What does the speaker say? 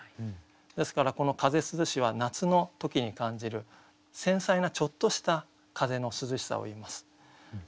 ですからこの「風涼し」は夏の時に感じる繊細なちょっとした風の涼しさをいいます。